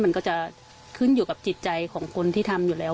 มันก็จะขึ้นอยู่กับจิตใจของคนที่ทำอยู่แล้ว